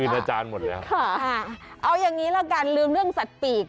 น่ารักเหรอค่ะเอาอย่างนี้ละกันลืมเรื่องสัตว์ปีก